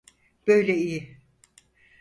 Böyle iyi.